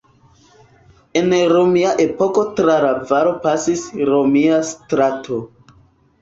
En romia epoko tra la valo pasis romia strato.